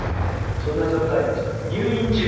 そんな状態でしたのでね。